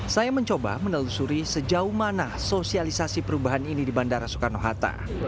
saya mencoba menelusuri sejauh mana sosialisasi perubahan ini di bandara soekarno hatta